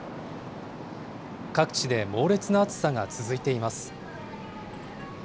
各地で猛烈な暑さが続いています。